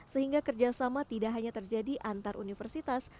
sehingga kerjasama tidak hanya terjadi antar universitas